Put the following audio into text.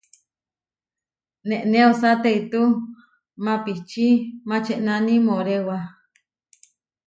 Nené osá teitú maʼpíči mačenáni moʼréwa.